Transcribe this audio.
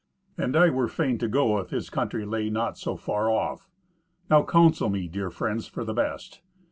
And I were fain to go if his country lay not so far off. Now counsel me, dear friends, for the best.